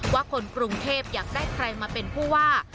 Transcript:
คนกรุงเทพอยากได้ใครมาเป็นผู้ว่า